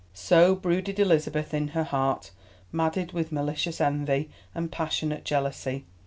So brooded Elizabeth in her heart, maddened with malicious envy and passionate jealousy.